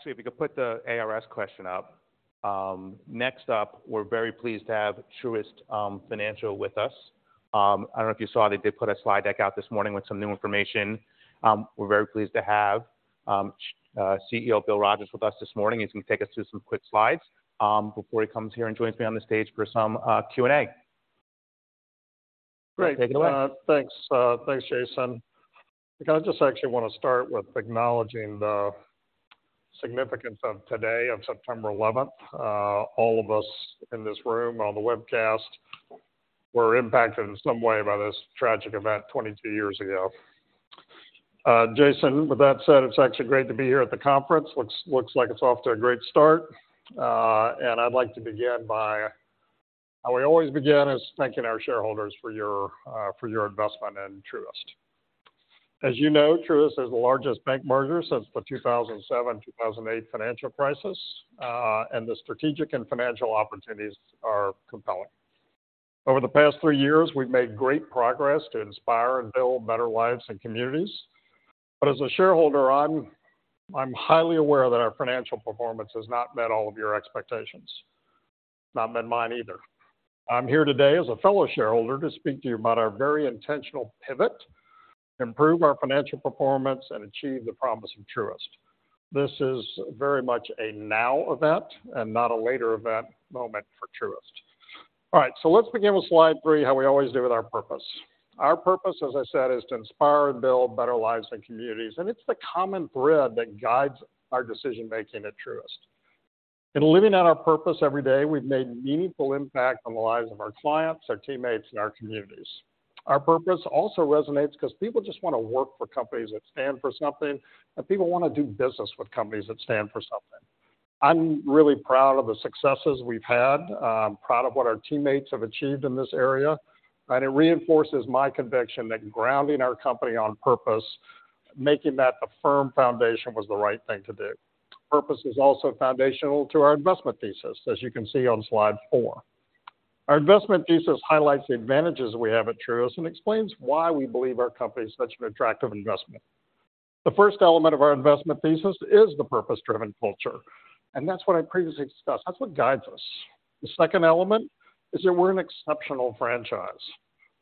Actually, if you could put the ARS question up. Next up, we're very pleased to have Truist Financial with us. I don't know if you saw, they did put a Slide deck out this morning with some new information. We're very pleased to have CEO Bill Rogers with us this morning. He's going to take us through some quick Slides before he comes here and joins me on the stage for some Q&A. Take it away. Great. Thanks. Thanks, Jason. I think I just actually want to start with acknowledging the significance of today, of September 11. All of us in this room, on the webcast, were impacted in some way by this tragic event 22 years ago. Jason, with that said, it's actually great to be here at the conference. Looks like it's off to a great start. And I'd like to begin by how we always begin, is thanking our shareholders for your investment in Truist. As you know, Truist is the largest bank merger since the 2007, 2008 financial crisis, and the strategic and financial opportunities are compelling. Over the past three years, we've made great progress to inspire and build better lives and communities. But as a shareholder, I'm, I'm highly aware that our financial performance has not met all of your expectations. It's not been mine either. I'm here today as a fellow shareholder to speak to you about our very intentional pivot to improve our financial performance and achieve the promise of Truist. This is very much a now event and not a later event moment for Truist. All right, so let's begin with Slide 3, how we always do with our purpose. Our purpose, as I said, is to inspire and build better lives and communities, and it's the common thread that guides our decision-making at Truist. In living out our purpose every day, we've made meaningful impact on the lives of our clients, our teammates, and our communities. Our purpose also resonates because people just want to work for companies that stand for something, and people want to do business with companies that stand for something. I'm really proud of the successes we've had. I'm proud of what our teammates have achieved in this area, and it reinforces my conviction that grounding our company on purpose, making that a firm foundation was the right thing to do. Purpose is also foundational to our investment thesis, as you can see on Slide 4. Our investment thesis highlights the advantages we have at Truist and explains why we believe our company is such an attractive investment. The first element of our investment thesis is the purpose-driven culture, and that's what I previously discussed. That's what guides us. The second element is that we're an exceptional franchise.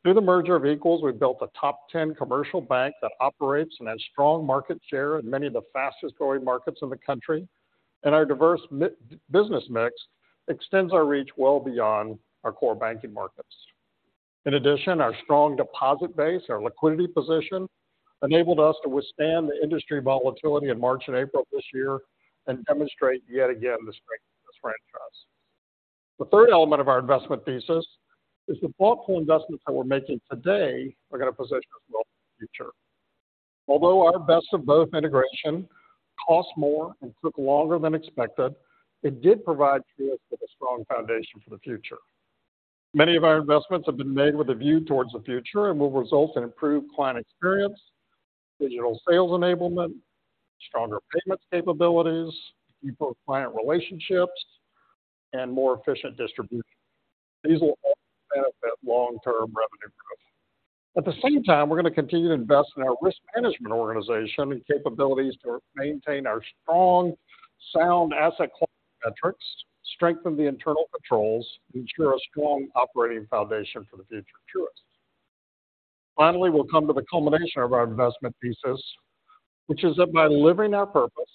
Through the merger of equals, we've built a top ten commercial bank that operates and has strong market share in many of the fastest-growing markets in the country, and our diverse business mix extends our reach well beyond our core banking markets. In addition, our strong deposit base, our liquidity position, enabled us to withstand the industry volatility in March and April this year and demonstrate yet again the strength of this franchise. The third element of our investment thesis is the thoughtful investments that we're making today are going to position us well for the future. Although our Best of Both integration cost more and took longer than expected, it did provide Truist with a strong foundation for the future. Many of our investments have been made with a view toward the future and will result in improved client experience, digital sales enablement, stronger payments capabilities, improved client relationships, and more efficient distribution. These will all benefit long-term revenue growth. At the same time, we're going to continue to invest in our risk management organization and capabilities to maintain our strong, sound asset quality metrics, strengthen the internal controls, and ensure a strong operating foundation for the future of Truist. Finally, we'll come to the culmination of our investment thesis, which is that by living our purpose,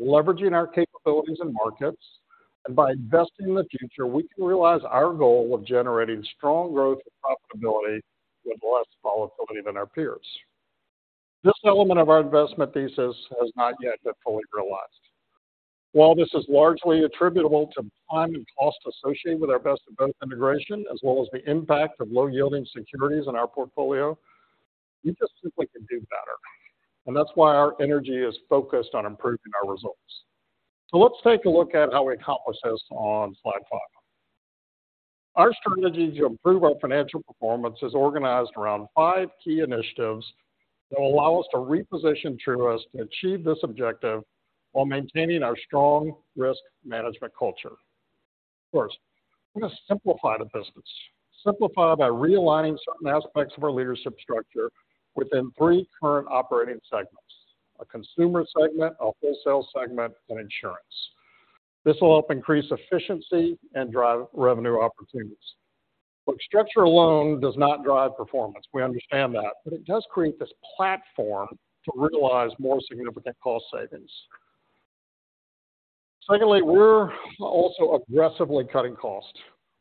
leveraging our capabilities and markets, and by investing in the future, we can realize our goal of generating strong growth and profitability with less volatility than our peers. This element of our investment thesis has not yet been fully realized. While this is largely attributable to time and cost associated with our Best of Both integration, as well as the impact of low-yielding securities in our portfolio, we just simply can do better, and that's why our energy is focused on improving our results. Let's take a look at how we accomplish this on Slide 5. Our strategy to improve our financial performance is organized around five key initiatives that will allow us to reposition Truist to achieve this objective while maintaining our strong risk management culture. First, we're going to simplify the business. Simplify by realigning certain aspects of our leadership structure within three current operating segments: a consumer segment, a wholesale segment, and insurance. This will help increase efficiency and drive revenue opportunities. Structure alone does not drive performance. We understand that, but it does create this platform to realize more significant cost savings. Secondly, we're also aggressively cutting costs.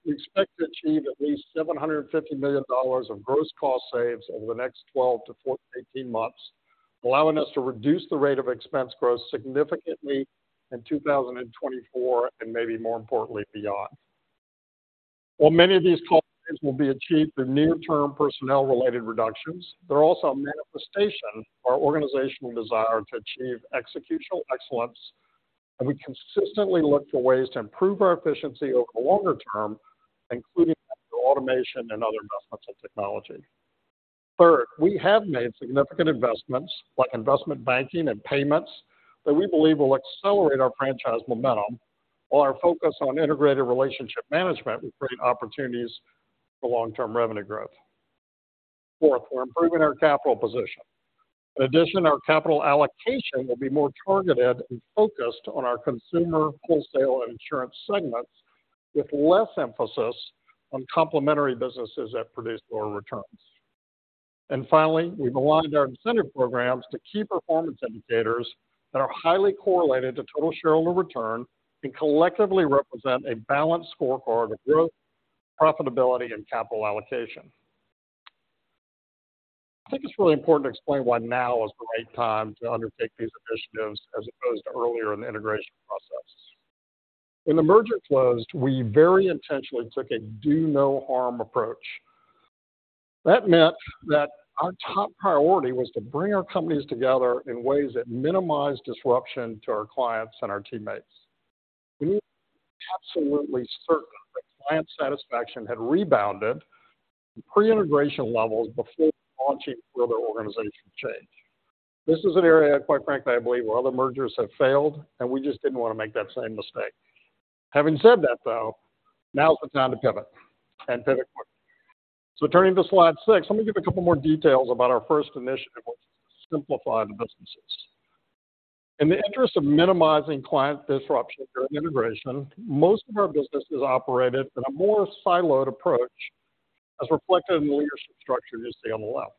We expect to achieve at least $750 million of gross cost saves over the next 12 to 14 to 18 months, allowing us to reduce the rate of expense growth significantly in 2024, and maybe more importantly, beyond. While many of these cost saves will be achieved through near-term personnel-related reductions, they're also a manifestation of our organizational desire to achieve executional excellence, and we consistently look for ways to improve our efficiency over the longer term, including through automation and other investments in technology. Third, we have made significant investments, like investment banking and payments, that we believe will accelerate our franchise momentum, while our focus on Integrated Relationship Management will create opportunities for long-term revenue growth. Fourth, we're improving our capital position. In addition, our capital allocation will be more targeted and focused on our consumer, wholesale, and insurance segments, with less emphasis on complementary businesses that produce lower returns. And finally, we've aligned our incentive programs to key performance indicators that are highly correlated to total shareholder return and collectively represent a balanced scorecard of growth, profitability, and capital allocation. I think it's really important to explain why now is the right time to undertake these initiatives as opposed to earlier in the integration process. When the merger closed, we very intentionally took a do-no-harm approach. That meant that our top priority was to bring our companies together in ways that minimize disruption to our clients and our teammates. We were absolutely certain that client satisfaction had rebounded to pre-integration levels before launching further organizational change. This is an area, quite frankly, I believe where other mergers have failed, and we just didn't want to make that same mistake. Having said that, though, now is the time to pivot, and pivot quick. So turning to Slide 6, let me give a couple more details about our first initiative, which is to simplify the businesses. In the interest of minimizing client disruption during integration, most of our businesses operated in a more siloed approach, as reflected in the leadership structure you see on the left.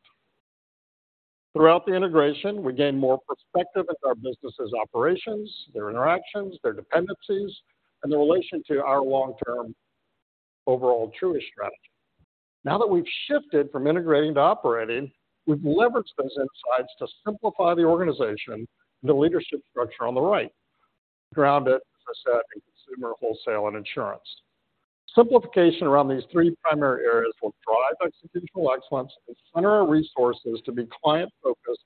Throughout the integration, we gained more perspective into our businesses' operations, their interactions, their dependencies, and their relation to our long-term overall Truist strategy. Now that we've shifted from integrating to operating, we've leveraged those insights to simplify the organization and the leadership structure on the right, ground it, as I said, in consumer, wholesale, and insurance. Simplification around these three primary areas will drive executional excellence and center our resources to be client-focused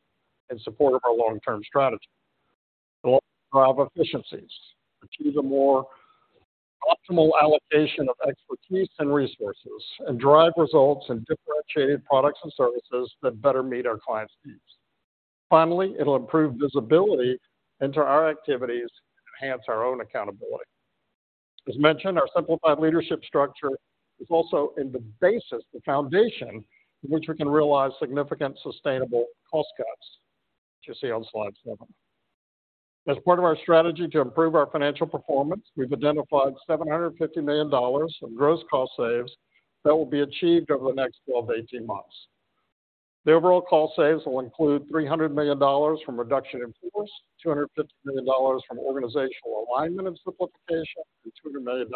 in support of our long-term strategy. It will drive efficiencies, achieve a more optimal allocation of expertise and resources, and drive results in differentiated products and services that better meet our clients' needs. Finally, it'll improve visibility into our activities and enhance our own accountability. As mentioned, our simplified leadership structure is also in the basis, the foundation, in which we can realize significant sustainable cost cuts, which you see on Slide 7. As part of our strategy to improve our financial performance, we've identified $750 million in gross cost saves that will be achieved over the next 12-18 months. The overall cost savings will include $300 million from reduction in force, $250 million from organizational alignment and simplification, and $200 million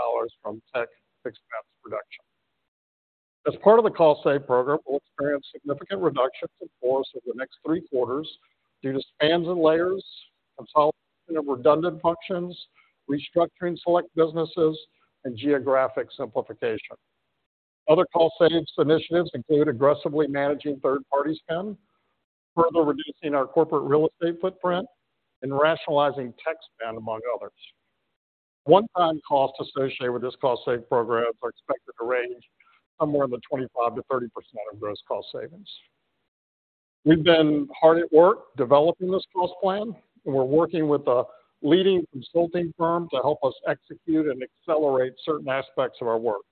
from tech fixed expense reduction. As part of the cost savings program, we'll experience significant reductions in force over the next three quarters due to spans and layers, consolidation of redundant functions, restructuring select businesses, and geographic simplification. Other cost savings initiatives include aggressively managing third-party spend, further reducing our corporate real estate footprint, and rationalizing tech spend, among others. One-time costs associated with this cost savings programs are expected to range somewhere in the 25%-30% of gross cost savings. We've been hard at work developing this cost plan, and we're working with a leading consulting firm to help us execute and accelerate certain aspects of our work.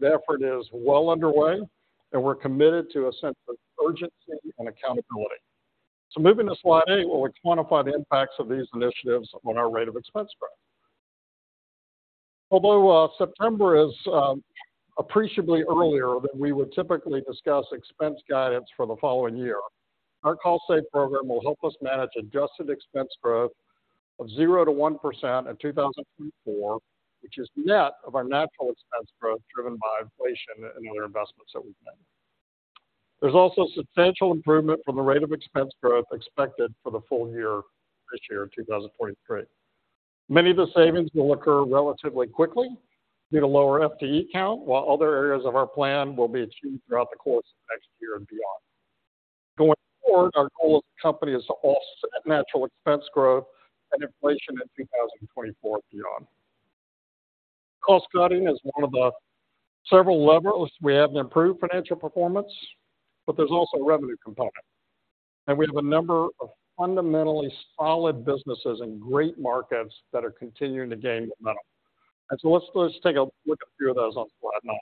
The effort is well underway, and we're committed to a sense of urgency and accountability. So moving to Slide 8, where we quantify the impacts of these initiatives on our rate of expense growth. Although September is appreciably earlier than we would typically discuss expense guidance for the following year, our cost savings program will help us manage adjusted expense growth of 0%-1% in 2024, which is net of our natural expense growth, driven by inflation and other investments that we've made. There's also substantial improvement from the rate of expense growth expected for the full year, this year, in 2023. Many of the savings will occur relatively quickly due to lower FTE count, while other areas of our plan will be achieved throughout the course of next year and beyond. Going forward, our goal as a company is to offset natural expense growth and inflation in 2024 and beyond. Cost cutting is one of the several levers we have to improve financial performance, but there's also a revenue component. We have a number of fundamentally solid businesses in great markets that are continuing to gain momentum. So let's, let's take a look at a few of those on Slide 9.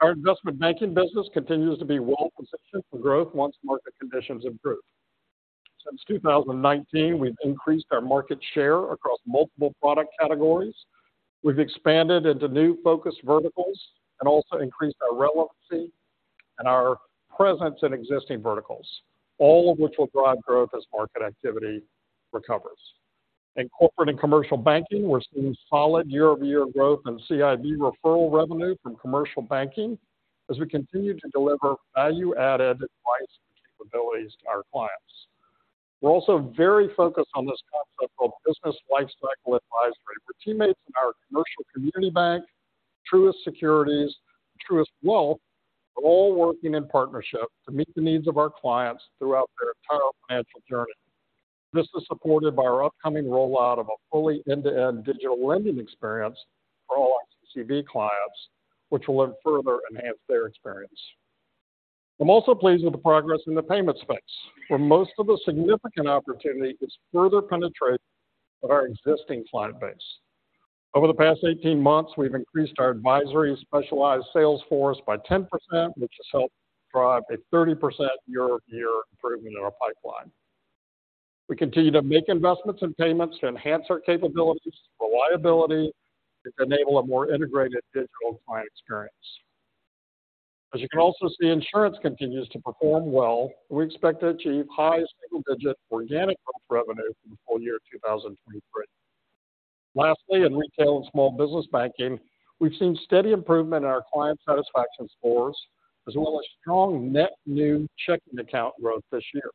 Our investment banking business continues to be well-positioned for growth once market conditions improve. Since 2019, we've increased our market share across multiple product categories. We've expanded into new focus verticals and also increased our relevancy and our presence in existing verticals, all of which will drive growth as market activity recovers. In corporate and commercial banking, we're seeing solid year-over-year growth in CIB referral revenue from commercial banking as we continue to deliver value-added advice and capabilities to our clients. We're also very focused on this concept called Business Lifecycle Advisory, where teammates in our Commercial Community Bank, Truist Securities, Truist Wealth, are all working in partnership to meet the needs of our clients throughout their entire financial journey. This is supported by our upcoming rollout of a fully end-to-end digital lending experience for all CCB clients, which will further enhance their experience. I'm also pleased with the progress in the payments space, where most of the significant opportunity is further penetration of our existing client base. Over the past 18 months, we've increased our advisory specialized sales force by 10%, which has helped drive a 30% year-over-year improvement in our pipeline. We continue to make investments in payments to enhance our capabilities, reliability, and enable a more integrated digital client experience. As you can also see, insurance continues to perform well. We expect to achieve high single-digit organic growth revenue for the full year of 2023. Lastly, in retail and small business banking, we've seen steady improvement in our client satisfaction scores, as well as strong net new checking account growth this year.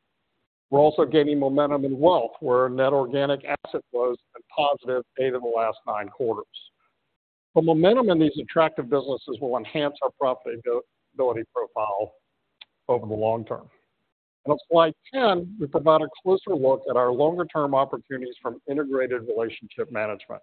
We're also gaining momentum in wealth, where our net organic asset growth has been positive eight of the last nine quarters. The momentum in these attractive businesses will enhance our profitability profile over the long term. On Slide 10, we provide a closer look at our longer-term opportunities from Integrated Relationship Management.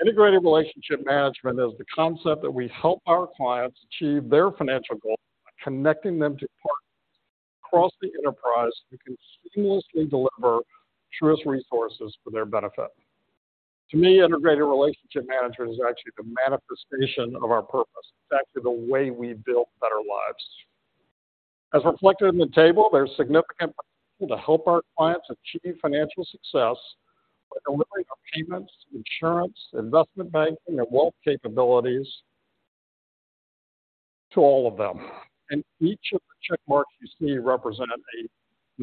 Integrated relationship management is the concept that we help our clients achieve their financial goals by connecting them to partners across the enterprise who can seamlessly deliver Truist resources for their benefit. To me, Integrated Relationship Management is actually the manifestation of our purpose. It's actually the way we build better lives. As reflected in the table, there's significant potential to help our clients achieve financial success by delivering our payments, insurance, investment banking, and wealth capabilities to all of them. Each of the check marks you see represent a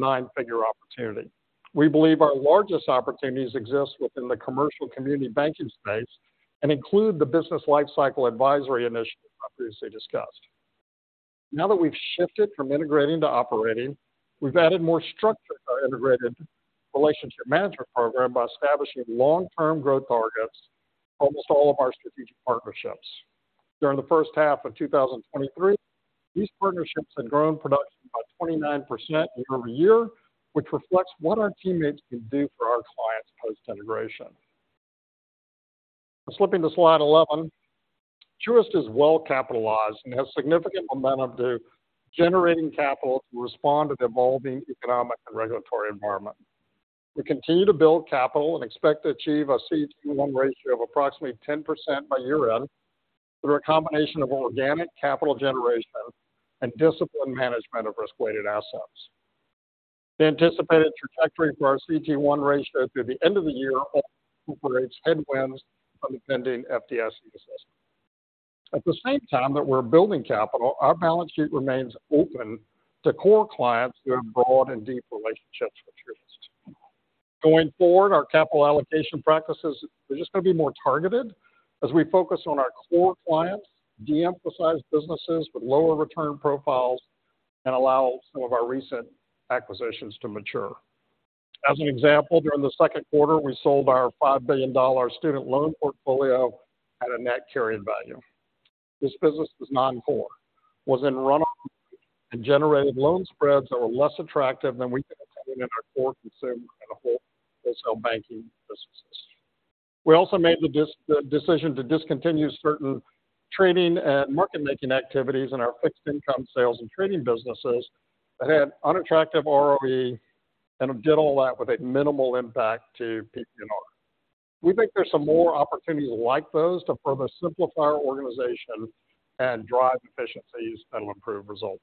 nine-figure opportunity. We believe our largest opportunities exist within the commercial community banking space and include the Business Lifecycle Advisory initiative I previously discussed. Now that we've shifted from integrating to operating, we've added more structure Integrated Relationship Management program by establishing long-term growth targets for almost all of our strategic partnerships. During the first half of 2023, these partnerships had grown production by 29% year-over-year, which reflects what our teammates can do for our clients post-integration. Slipping to Slide 11. Truist is well capitalized and has significant momentum to generating capital to respond to the evolving economic and regulatory environment. We continue to build capital and expect to achieve a CET1 ratio of approximately 10% by year-end, through a combination of organic capital generation and disciplined management of risk-weighted assets. The anticipated trajectory for our CET1 ratio through the end of the year also incorporates headwinds from the pending FDIC assessment. At the same time that we're building capital, our balance sheet remains open to core clients who have broad and deep relationships with Truist. Going forward, our capital allocation practices are just going to be more targeted as we focus on our core clients, de-emphasize businesses with lower return profiles, and allow some of our recent acquisitions to mature. As an example, during the second quarter, we sold our $5 billion student loan portfolio at a net carrying value. This business was non-core, was in run-off, and generated loan spreads that were less attractive than we can obtain in our core consumer and wholesale banking businesses. We also made the decision to discontinue certain trading and market-making activities in our fixed income sales and trading businesses that had unattractive ROE, and did all that with a minimal impact to PPNR. We think there's some more opportunities like those to further simplify our organization and drive efficiencies that will improve results.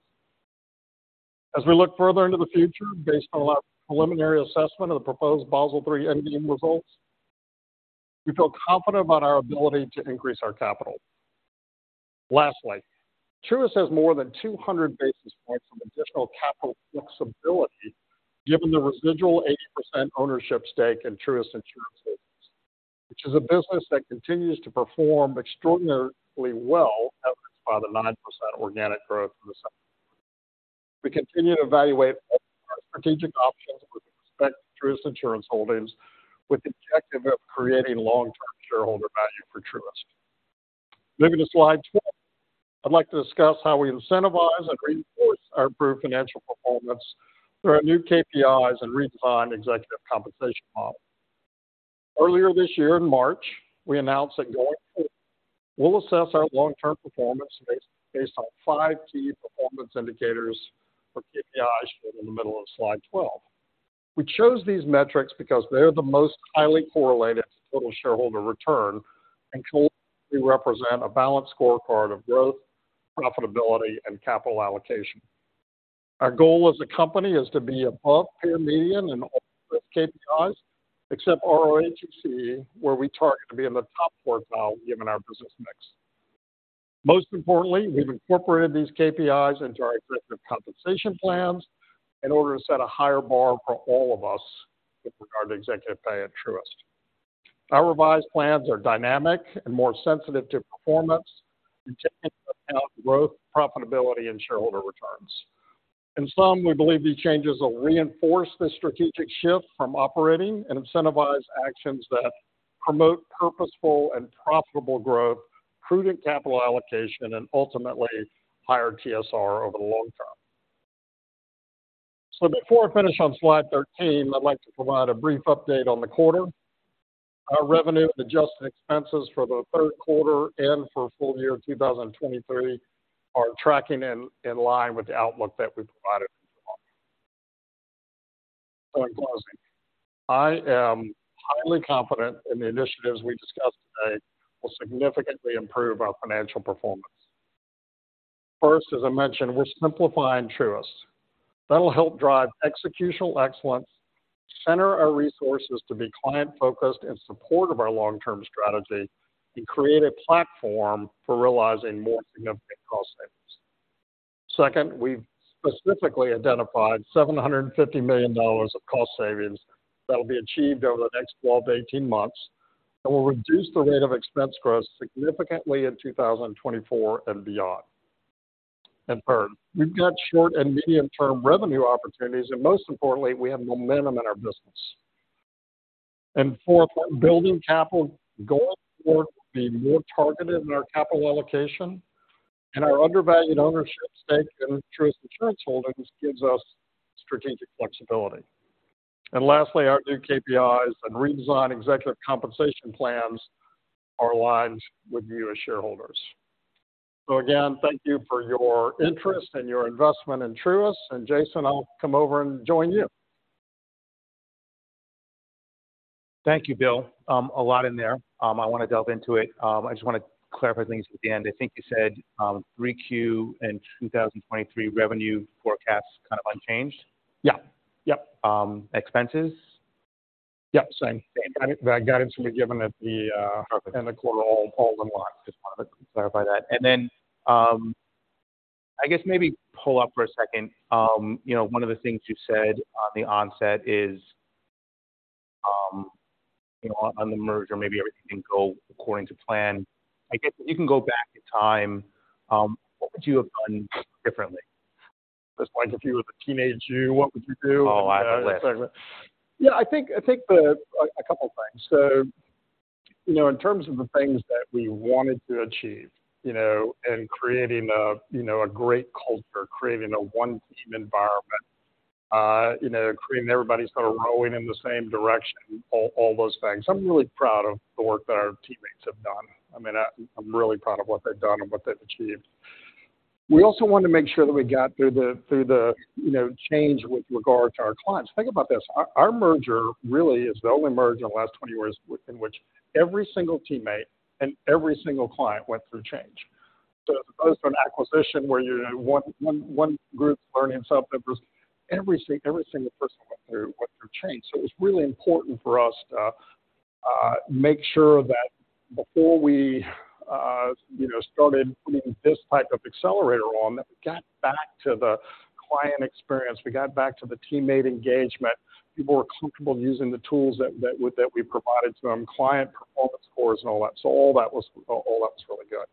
As we look further into the future, based on our preliminary assessment of the proposed Basel III Endgame results, we feel confident about our ability to increase our capital. Lastly, Truist has more than 200 basis points of additional capital flexibility given the residual 80% ownership stake in Truist Insurance Holdings, which is a business that continues to perform extraordinarily well, evidenced by the 9% organic growth in the second quarter. We continue to evaluate our strategic options with respect to Truist Insurance Holdings with the objective of creating long-term shareholder value for Truist. Moving to Slide 12. I'd like to discuss how we incentivize and reinforce our improved financial performance through our new KPIs and redesigned executive compensation model. Earlier this year, in March, we announced that going forward, we'll assess our long-term performance based on five key performance indicators or KPIs shown in the middle of Slide 12. We chose these metrics because they are the most highly correlated to total shareholder return and collectively represent a balanced scorecard of growth, profitability, and capital allocation. Our goal as a company is to be above peer median in all of these KPIs, except ROTCE, where we target to be in the top quartile given our business mix. Most importantly, we've incorporated these KPIs into our executive compensation plans in order to set a higher bar for all of us with regard to executive pay at Truist. Our revised plans are dynamic and more sensitive to performance and take into account growth, profitability, and shareholder returns. In sum, we believe these changes will reinforce the strategic shift from operating and incentivize actions that promote purposeful and profitable growth, prudent capital allocation, and ultimately higher TSR over the long term. So before I finish on Slide 13, I'd like to provide a brief update on the quarter. Our revenue and adjusted expenses for the third quarter and for full year 2023 are tracking in line with the outlook that we provided. So in closing, I am highly confident in the initiatives we discussed today will significantly improve our financial performance. First, as I mentioned, we're simplifying Truist. That'll help drive executional excellence, center our resources to be client-focused in support of our long-term strategy, and create a platform for realizing more significant cost savings. Second, we've specifically identified $750 million of cost savings that will be achieved over the next 12-18 months and will reduce the rate of expense growth significantly in 2024 and beyond. Third, we've got short- and medium-term revenue opportunities, and most importantly, we have momentum in our business. Fourth, building capital, going forward, be more targeted in our capital allocation, and our undervalued ownership stake in Truist Insurance Holdings gives us strategic flexibility. Lastly, our new KPIs and redesigned executive compensation plans are aligned with you as shareholders. So again, thank you for your interest and your investment in Truist. And Jason, I'll come over and join you. Thank you, Bill. A lot in there. I want to delve into it. I just want to clarify things at the end. I think you said, 3Q in 2023 revenue forecast, kind of unchanged? Yeah. Yep. Um, expenses? Yep, same. That guidance we were given at the. Perfect. In the quarter all, all unlocked. Just wanted to clarify that. And then, I guess maybe pull up for a second. You know, one of the things you said on the onset is, you know, on the merger, maybe everything didn't go according to plan. I guess if you can go back in time, what would you have done differently? At this point, if you were the teenage you, what would you do? Oh, I have a list. Yeah, I think a couple of things. So, you know, in terms of the things that we wanted to achieve, you know, and creating, you know, a great culture, creating a one-team environment, you know, creating everybody sort of rowing in the same direction, all those things. I'm really proud of the work that our teammates have done. I mean, I'm really proud of what they've done and what they've achieved. We also wanted to make sure that we got through the, you know, change with regard to our clients. Think about this, our merger really is the only merger in the last 20 years within which every single teammate and every single client went through change. So as opposed to an acquisition where you're one group learning something, every single person went through change. So it was really important for us to make sure that before we you know started putting this type of accelerator on, that we got back to the client experience, we got back to the teammate engagement. People were comfortable using the tools that we provided to them, client performance scores and all that. So all that was really good.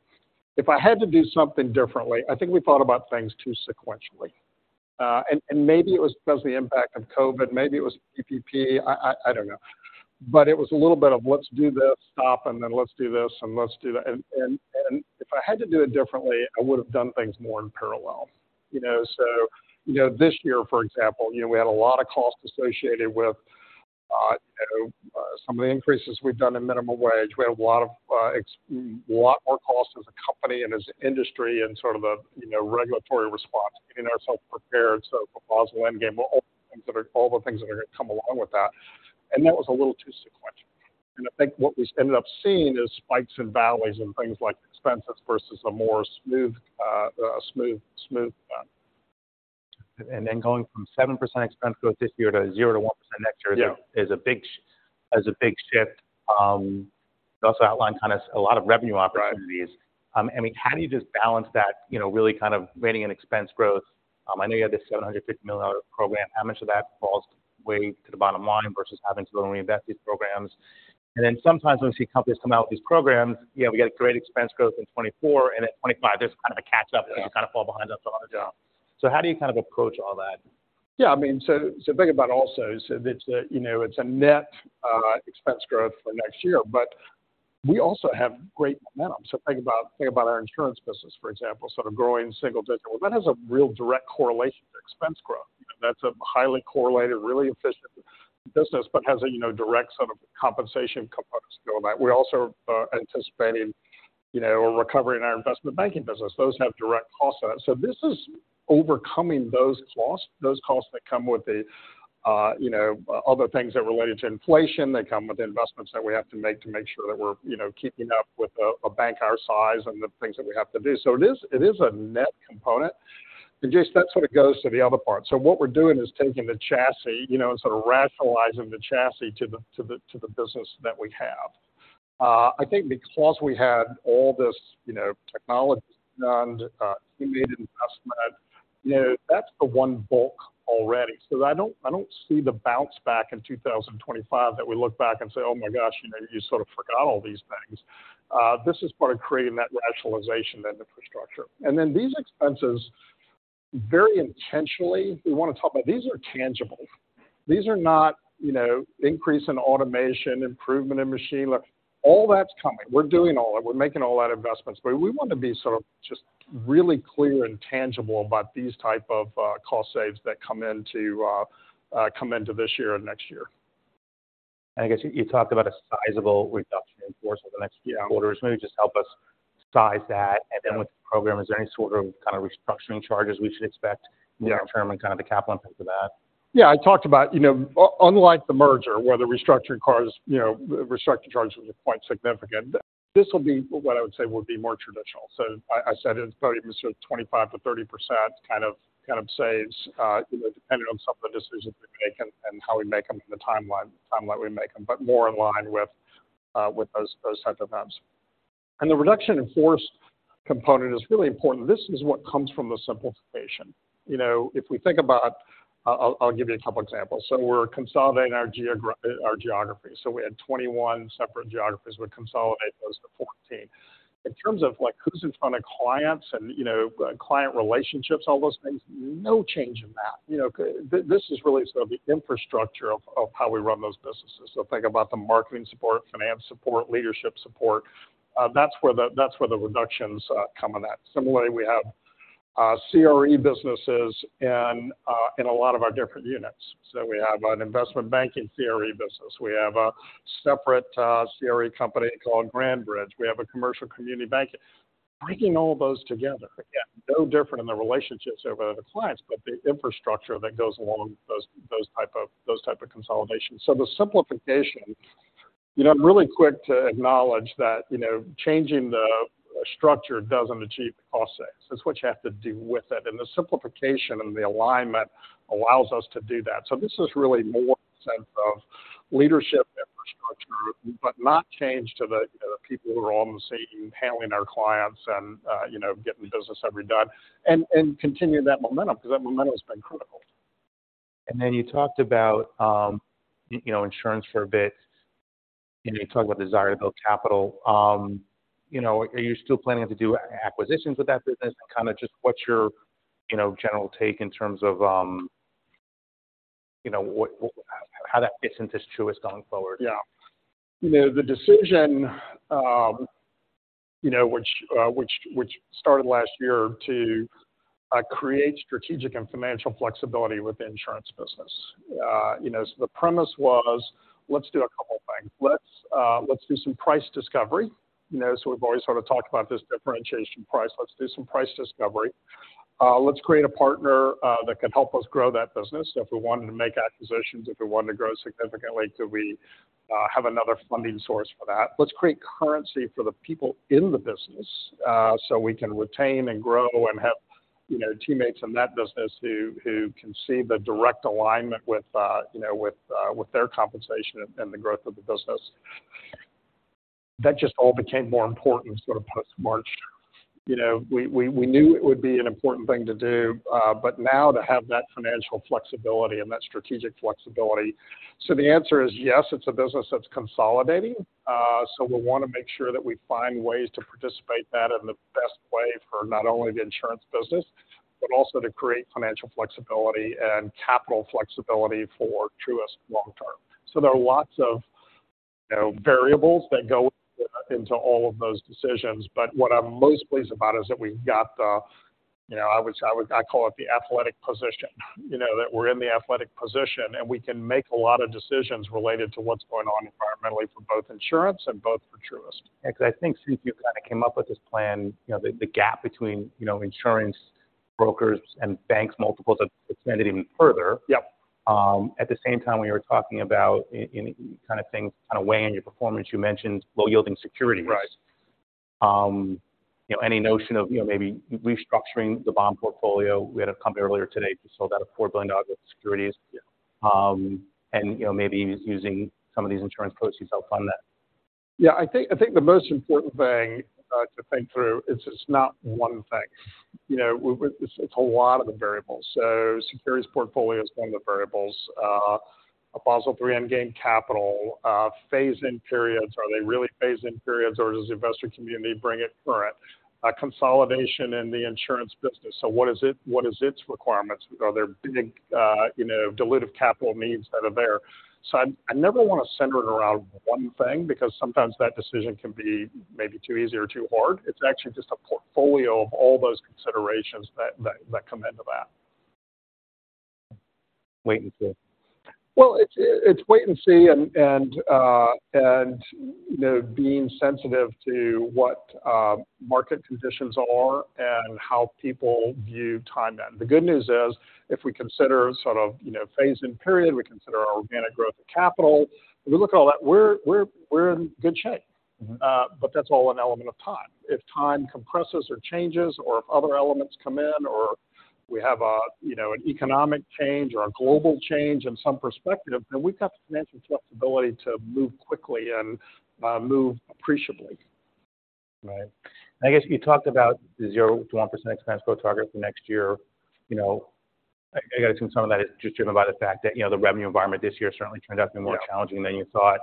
If I had to do something differently, I think we thought about things too sequentially. And maybe it was because of the impact of COVID, maybe it was PPP, I don't know. But it was a little bit of let's do this, stop, and then let's do this, and let's do that. If I had to do it differently, I would have done things more in parallel. You know, so, you know, this year, for example, you know, we had a lot of cost associated with, you know, some of the increases we've done in minimum wage. We had a lot of a lot more cost as a company and as an industry and sort of a, you know, regulatory response, getting ourselves prepared. So the Basel Endgame, all the things that are going to come along with that, and that was a little too sequential. And I think what we ended up seeing is spikes and valleys and things like expenses versus a more smooth, smooth, smooth. And then going from 7% expense growth this year to 0%-1% next year. Yeah. Is a big shift. You also outlined kind of a lot of revenue opportunities. Right. I mean, how do you just balance that, you know, really kind of reining in expense growth? I know you have this $750 million program. How much of that falls way to the bottom line versus having to reinvest these programs? And then sometimes when we see companies come out with these programs, you know, we get a great expense growth in 2024, and in 2025, there's kind of a catch-up. Yeah. Because you kind of fall behind on the job. How do you kind of approach all that? Yeah, I mean, so think about it also, so it's a, you know, it's a net expense growth for next year, but we also have great momentum. So think about our insurance business, for example, sort of growing single digit. Well, that has a real direct correlation to expense growth. That's a highly correlated, really efficient business, but has a, you know, direct sort of compensation components to go about. We're also anticipating, you know, a recovery in our investment banking business. Those have direct costs to that. So this is overcoming those costs, those costs that come with the, you know, other things that related to inflation, they come with the investments that we have to make to make sure that we're, you know, keeping up with a bank our size and the things that we have to do. So it is, it is a net component. And, Jason, that sort of goes to the other part. So what we're doing is taking the chassis, you know, and sort of rationalizing the chassis to the business that we have. I think because we had all this, you know, technology done, teammate investment, you know, that's the one bulk already. So I don't see the bounce back in 2025, that we look back and say, "Oh, my gosh, you know, you sort of forgot all these things." This is part of creating that rationalization and infrastructure. And then these expenses, very intentionally, we want to talk about. These are tangible. These are not, you know, increase in automation, improvement in machine learning. All that's coming. We're doing all that. We're making all that investments, but we want to be sort of just really clear and tangible about these type of cost saves that come into this year and next year. I guess you talked about a sizable reduction in force over the next few quarters. Maybe just help us size that, and then with the program, is there any sort of kind of restructuring charges we should expect. Yeah. Long term, and kind of the capital impact of that? Yeah, I talked about, you know, unlike the merger, where the restructuring costs, you know, restructuring charges were quite significant, this will be what I would say will be more traditional. So I, I said it's probably sort of 25%-30% kind of, kind of saves, you know, depending on some of the decisions we make and, and how we make them and the timeline, timeline we make them, but more in line with, with those, those type of items. And the reduction in force component is really important. This is what comes from the simplification. You know, if we think about. I'll, I'll give you a couple examples. So we're consolidating our geographies. So we had 21 separate geographies. We're consolidating those to 14. In terms of like who's in front of clients and, you know, client relationships, all those things, no change in that. You know, this is really sort of the infrastructure of how we run those businesses. So think about the marketing support, finance support, leadership support, that's where the, that's where the reductions come in at. Similarly, we have CRE businesses in a lot of our different units. So we have an investment banking CRE business. We have a separate CRE company called Grandbridge. We have a Commercial Community Bank. Bringing all those together, again, no different in the relationships over the clients, but the infrastructure that goes along those type of consolidations. So the simplification, you know, I'm really quick to acknowledge that, you know, changing the structure doesn't achieve the cost savings. It's what you have to do with it, and the simplification and the alignment allows us to do that. So this is really more a sense of leadership infrastructure, but not change to the, the people who are all in the same, handling our clients and, you know, getting the business that we've done, and, and continue that momentum, because that momentum has been critical. And then you talked about, you know, insurance for a bit, and you talked about the desire to build capital. You know, are you still planning to do acquisitions with that business, and kind of just what's your, you know, general take in terms of, you know, what, how that fits into Truist going forward? Yeah. You know, the decision, you know, which started last year to create strategic and financial flexibility with the insurance business. You know, so the premise was, let's do a couple of things. Let's do some price discovery. You know, so we've always sort of talked about this differentiation price. Let's do some price discovery. Let's create a partner that can help us grow that business. If we wanted to make acquisitions, if we wanted to grow significantly, do we have another funding source for that? Let's create currency for the people in the business, so we can retain and grow and have, you know, teammates in that business who can see the direct alignment with, you know, with their compensation and the growth of the business. That just all became more important sort of post-March. You know, we knew it would be an important thing to do, but now to have that financial flexibility and that strategic flexibility. So the answer is yes, it's a business that's consolidating. So we want to make sure that we find ways to participate that in the best way for not only the insurance business, but also to create financial flexibility and capital flexibility for Truist long term. So there are lots of, you know, variables that go into all of those decisions, but what I'm most pleased about is that we've got the, you know, I would say, I would—I call it the athletic position. You know, that we're in the athletic position, and we can make a lot of decisions related to what's going on environmentally for both insurance and both for Truist. Yeah, because I think since you kind of came up with this plan, you know, the gap between, you know, insurance brokers and banks multiples have expanded even further. Yep. At the same time, we were talking about in kind of things, kind of weighing your performance. You mentioned low-yielding securities. Right. You know, any notion of, you know, maybe restructuring the bond portfolio? We had a company earlier today that sold $4 billion worth of securities. And, you know, maybe using some of these insurance proceeds to help fund that. Yeah, I think, I think the most important thing to think through is it's not one thing. You know, it's, it's a lot of the variables. So securities portfolio is one of the variables. Basel III endgame capital, phase-in periods. Are they really phase-in periods, or does the investor community bring it current? Consolidation in the insurance business. So what is it, what is its requirements? Are there big, you know, dilutive capital needs that are there? So I, I never want to center it around one thing, because sometimes that decision can be maybe too easy or too hard. It's actually just a portfolio of all those considerations that, that, that come into that. Wait and see? Well, it's wait and see and, you know, being sensitive to what market conditions are and how people view time then. The good news is, if we consider sort of, you know, phase-in period, we consider our organic growth of capital, if we look at all that, we're in good shape. Mm-hmm. But that's all an element of time. If time compresses or changes or if other elements come in, or we have a, you know, an economic change or a global change in some perspective, then we've got the financial flexibility to move quickly and move appreciably. Right. I guess you talked about the 0%-1% expense growth target for next year. You know, I, I gotta assume some of that is just driven by the fact that, you know, the revenue environment this year certainly turned out to be more. Yeah. Challenging than you thought.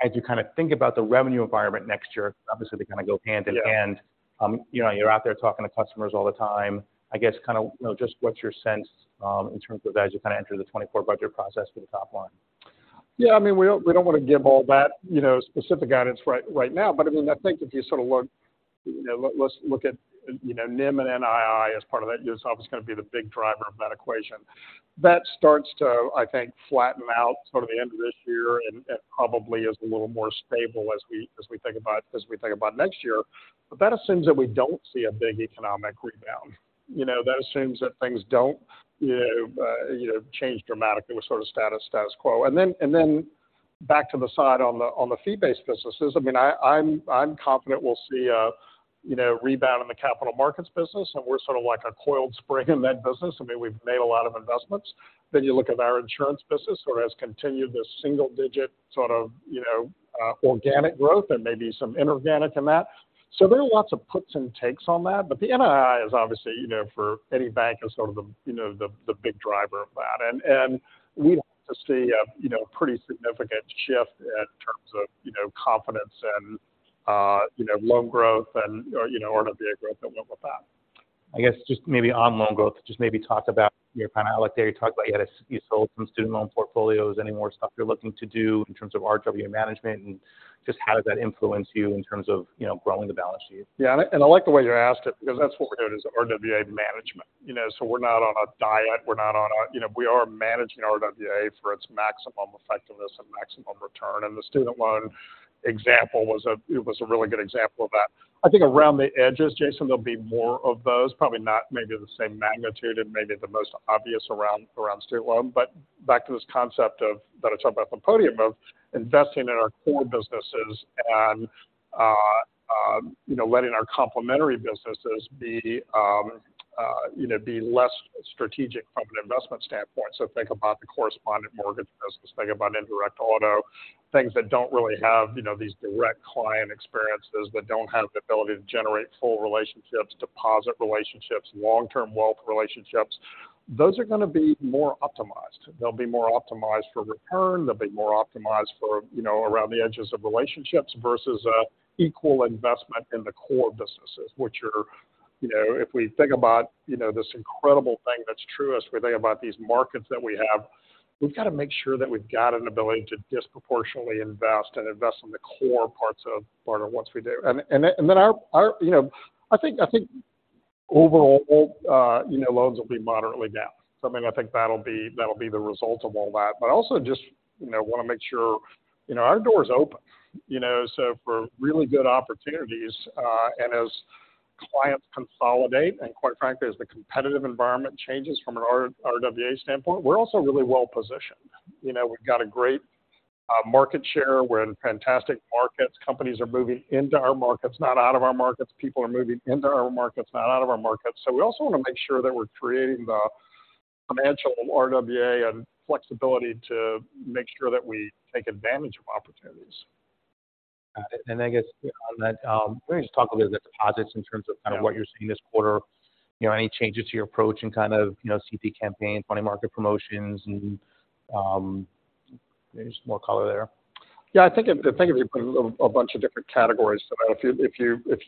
As you kind of think about the revenue environment next year, obviously, they kind of go hand in hand. Yeah. You know, you're out there talking to customers all the time. I guess kind of, you know, just what's your sense in terms of as you kind of enter the 2024 budget process for the top line? Yeah, I mean, we don't, we don't want to give all that, you know, specific guidance right, right now, but I mean, I think if you sort of look. You know, let's look at, you know, NIM and NII as part of that. It's obviously going to be the big driver of that equation. That starts to, I think, flatten out toward the end of this year and probably is a little more stable as we think about next year. But that assumes that we don't see a big economic rebound. You know, that assumes that things don't, you know, change dramatically. We're sort of status quo. And then back to the side on the fee-based businesses, I mean, I'm confident we'll see a, you know, rebound in the capital markets business, and we're sort of like a coiled spring in that business. I mean, we've made a lot of investments. Then you look at our insurance business, sort of has continued this single digit sort of, you know, organic growth and maybe some inorganic in that. So there are lots of puts and takes on that, but the NII is obviously, you know, for any bank is sort of the, you know, the big driver of that. And we'd like to see a, you know, pretty significant shift in terms of, you know, confidence and, you know, loan growth and, or, you know, RWA growth that went with that. I guess just maybe on loan growth, just maybe talk about your kind of allocation. You talked about you had a—you sold some student loan portfolios. Any more stuff you're looking to do in terms of RWA management? And just how does that influence you in terms of, you know, growing the balance sheet? Yeah, and I like the way you asked it, because that's what we're doing is RWA management. You know, so we're not on a diet, we're not on a—you know, we are managing RWA for its maximum effectiveness and maximum return. And the student loan example was a—it was a really good example of that. I think around the edges, Jason, there'll be more of those. Probably not maybe the same magnitude and maybe the most obvious around student loan. But back to this concept of—that I talked about at the podium of investing in our core businesses and, you know, letting our complementary businesses be, you know, be less strategic from an investment standpoint. So think about the correspondent mortgage business, think about indirect auto. Things that don't really have, you know, these direct client experiences, that don't have the ability to generate full relationships, deposit relationships, long-term wealth relationships. Those are going to be more optimized. They'll be more optimized for return. They'll be more optimized for, you know, around the edges of relationships versus a equal investment in the core businesses, which are, you know, if we think about, you know, this incredible thing that's true as we think about these markets that we have. We've got to make sure that we've got an ability to disproportionately invest and invest in the core parts of, part of what we do. And then our, you know, I think overall, you know, loans will be moderately down. So, I mean, I think that'll be the result of all that. But also just, you know, want to make sure, you know, our door is open. You know, so for really good opportunities, and as clients consolidate, and quite frankly, as the competitive environment changes from an RWA standpoint, we're also really well positioned. You know, we've got a great market share. We're in fantastic markets. Companies are moving into our markets, not out of our markets. People are moving into our markets, not out of our markets. So we also want to make sure that we're creating the financial RWA and flexibility to make sure that we take advantage of opportunities. Got it. I guess on that, maybe just talk a little bit deposits in terms of. Yeah. Kind of what you're seeing this quarter. You know, any changes to your approach and kind of, you know, CD campaigns, money market promotions, and, maybe just more color there? Yeah, I think if you put a bunch of different categories, if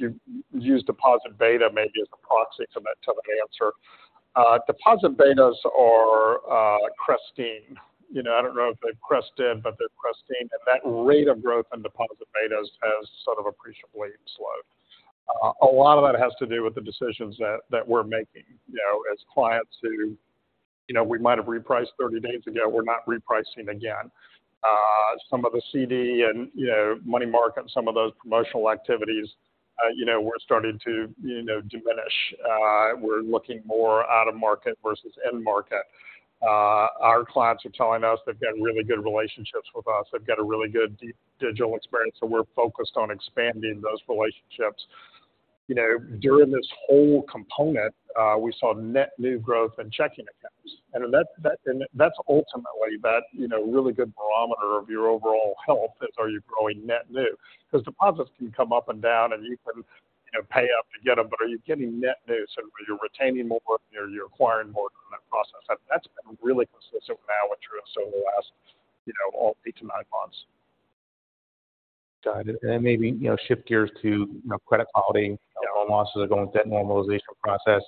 you use deposit beta maybe as a proxy for that type of answer. Deposit betas are cresting. You know, I don't know if they've crested, but they're cresting, and that rate of growth in deposit betas has sort of appreciably slowed. A lot of that has to do with the decisions that we're making, you know, as clients who, you know, we might have repriced thirty days ago, we're not repricing again. Some of the CD and, you know, money market, some of those promotional activities, you know, we're starting to, you know, diminish. We're looking more out-of-market versus in-market. Our clients are telling us they've got really good relationships with us. They've got a really good digital experience, so we're focused on expanding those relationships. You know, during this whole component, we saw net new growth in checking accounts, and that's ultimately, you know, really good barometer of your overall health, is are you growing net new? Because deposits can come up and down, and you can, you know, pay up to get them, but are you getting net new? So are you retaining more, or you're acquiring more in that process? That's been really consistent with through the last, you know, eight to nine months. Got it. Maybe, you know, shift gears to, you know, credit quality. Yeah. Loan losses are going debt normalization process.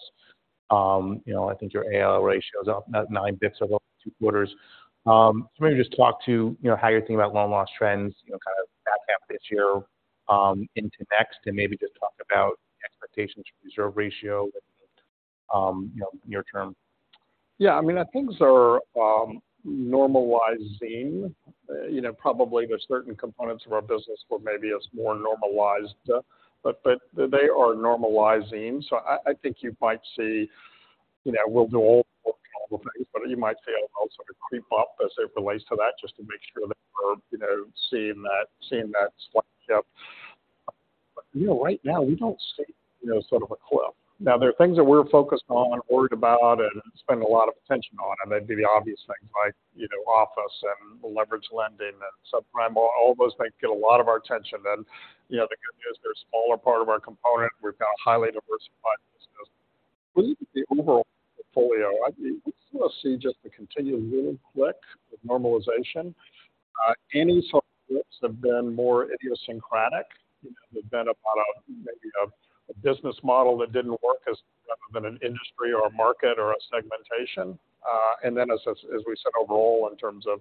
You know, I think your ACL ratio is up about nine basis points over two quarters. So maybe just talk to, you know, how you're thinking about loan loss trends, you know, kind of back half of this year, into next. And maybe just talk about expectations for reserve ratio, you know, near term. Yeah, I mean, I think they're normalizing. You know, probably there's certain components of our business where maybe it's more normalized, but, but they are normalizing. So I, I think you might see, you know, we'll do all the things, but you might see a sort of creep up as it relates to that, just to make sure that we're, you know, seeing that, seeing that slippage. You know, right now, we don't see, you know, sort of a cliff. Now, there are things that we're focused on and worried about and spend a lot of attention on, and they'd be the obvious things like, you know, office and leverage lending and subprime. All, all those things get a lot of our attention. And, you know, the good news, they're a smaller part of our component. We've got a highly diversified business. I believe that the overall portfolio. We still see just the continued little click with normalization. Any sort of clips have been more idiosyncratic. You know, they've been about a, maybe a business model that didn't work as, rather than an industry or a market or a segmentation. And then, as we said, overall, in terms of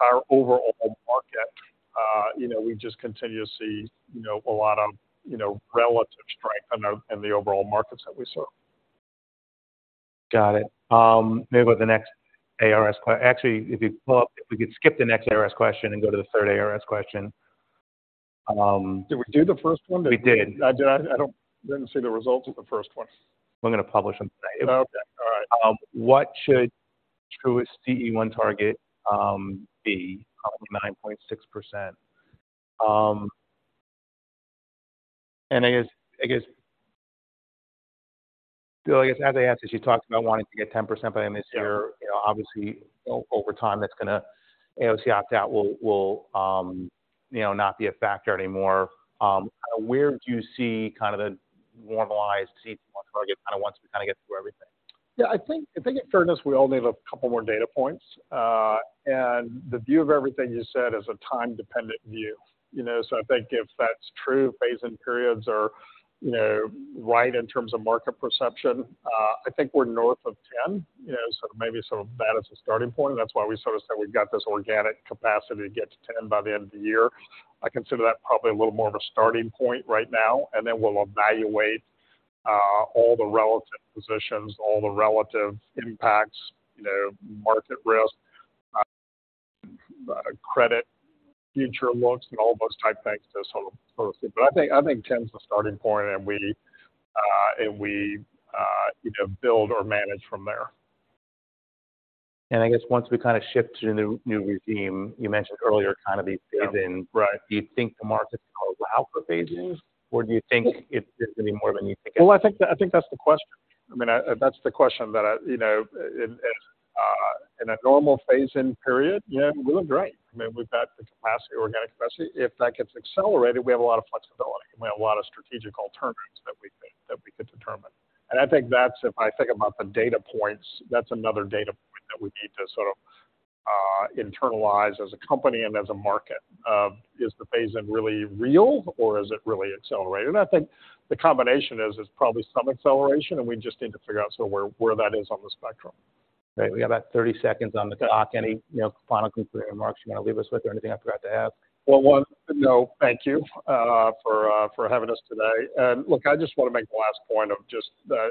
our overall market, you know, we just continue to see, you know, a lot of, you know, relative strength in our, in the overall markets that we serve. Got it. Maybe with the next ARS question, actually, if you pull up, if we could skip the next ARS question and go to the third ARS question. Did we do the first one? We did. I did. I didn't see the results of the first one. We're gonna publish them today. Okay. All right. What should Truist CET1 target be? Probably 9.6%. And I guess, Bill, as I asked you, you talked about wanting to get 10% by the end of this year. Yeah. You know, obviously, over time, that's gonna, AOCI opt-out will, you know, not be a factor anymore. Where do you see kind of the normalized CET1 target, kind of once we kinda get through everything? Yeah, I think in fairness, we all need a couple more data points. And the view of everything you said is a time-dependent view, you know? So I think if that's true, phase-in periods are, you know, right in terms of market perception. I think we're north of 10, you know, so maybe sort of that as a starting point. That's why we sort of said we've got this organic capacity to get to 10 by the end of the year. I consider that probably a little more of a starting point right now, and then we'll evaluate all the relative positions, all the relative impacts, you know, market risk, credit, future looks, and all those type things to sort of see. But I think 10's the starting point, and we, you know, build or manage from there. I guess once we kind of shift to the new, new regime, you mentioned earlier, kind of these phase-in. Right. Do you think the market allow for phase-ins, or do you think it, it's gonna be more than you think it is? Well, I think that's the question. I mean, that's the question that I, you know, in a normal phase-in period, yeah, we look great. I mean, we've got the capacity, organic capacity. If that gets accelerated, we have a lot of flexibility and we have a lot of strategic alternatives that we think that we could determine. And I think that's, if I think about the data points, that's another data point that we need to sort of internalize as a company and as a market. Is the phase-in really real, or is it really accelerated? I think the combination is probably some acceleration, and we just need to figure out sort of where that is on the spectrum. Great. We have about 30 seconds on the clock. Any, you know, final concluding remarks you want to leave us with or anything I forgot to ask? Well, thank you for having us today. Look, I just want to make the last point of just that I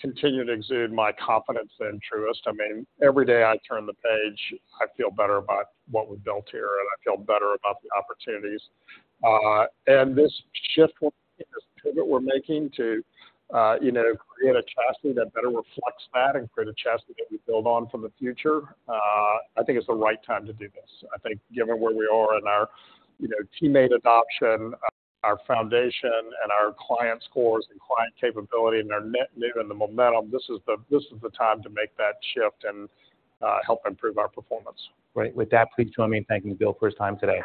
continue to exude my confidence in Truist. I mean, every day I turn the page, I feel better about what we've built here, and I feel better about the opportunities. And this shift, this pivot we're making to, you know, create a chassis that better reflects that and create a chassis that we build on for the future, I think it's the right time to do this. I think given where we are in our, you know, teammate adoption, our foundation and our client scores and client capability and our net new and the momentum, this is the, this is the time to make that shift and help improve our performance. Great. With that, please join me in thanking Bill for his time today.